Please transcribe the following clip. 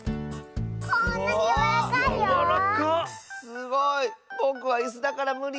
すごい！ぼくはいすだからむり！